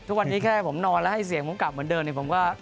ทุกวันนี้แค่ผมนอนแล้วให้เสียงผมกลับเหมือนเดิมเนี่ยผมก็